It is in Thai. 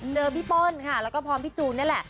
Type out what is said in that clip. พี่เปิ้ลค่ะแล้วก็พร้อมพี่จูนนี่แหละ